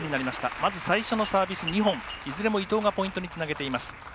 まず、最初のサービス２本いずれも伊藤がポイントにつなげています。